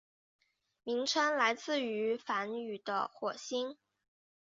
名称来自于梵语的火星。